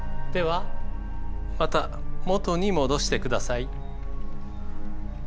ではまた元に戻してください。